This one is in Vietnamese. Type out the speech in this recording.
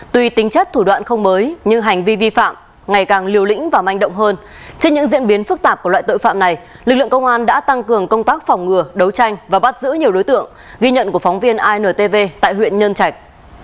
trên những diễn biến phức tạp của loại tội phạm này lực lượng công an đã tăng cường công tác phòng ngừa đấu tranh và bắt giữ nhiều đối tượng ghi nhận của phóng viên intv tại huyện nhân trạch